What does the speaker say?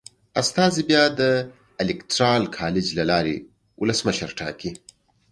استازي بیا د الېکترال کالج له لارې ولسمشر ټاکي.